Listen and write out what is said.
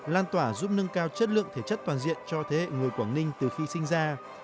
lan tỏa giúp nâng cao chất lượng thể chất toàn diện cho thế hệ người quảng ninh từ khi sinh ra